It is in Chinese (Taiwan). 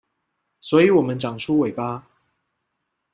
所以我們長出尾巴